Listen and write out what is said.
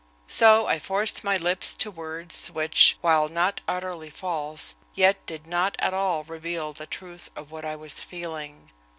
So I forced my lips to words which, while not utterly false, yet did not at all reveal the truth of what I was feeling.